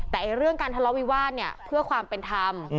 แต่เรื่องการทะเลาะวิวาสเนี่ยเพื่อความเป็นธรรม